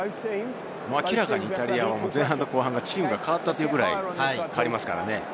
明らかにイタリアは前半と後半は、チームが変わったというくらい変わりますからね。